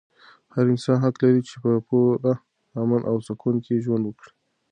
هر انسان حق لري چې په پوره امن او سکون کې ژوند وکړي.